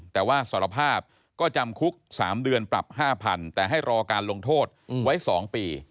แต่ว่าสารภาพก็จำคุก๓เดือนปรับ๕๐๐๐แต่ให้รอการลงโทษไว้๒ปี